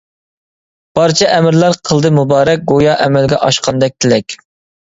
بارچە ئەمىرلەر قىلدى مۇبارەك، گويا ئەمەلگە ئاشقاندەك تىلەك.